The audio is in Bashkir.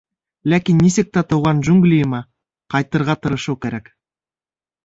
Ләкин нисек тә тыуған джунглийыма ҡайтырға тырышыу кәрәк.